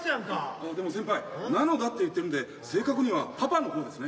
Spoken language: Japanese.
あっでも先輩「なのだ？」って言ってるんで正確にはパパの方ですね。